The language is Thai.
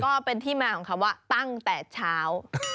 ก็เป็นที่มาของคำว่าตั้งแต่เช้า